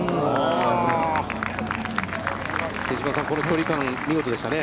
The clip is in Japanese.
手嶋さん、この距離感、見事でしたね。